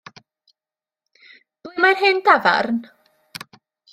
Ble mae'r hen dafarn?